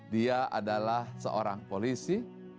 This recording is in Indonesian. dia adalah seorang polisi